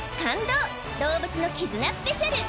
動物の絆スペシャル！